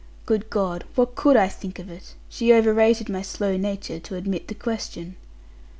Good God! What could I think of it? She over rated my slow nature, to admit the question.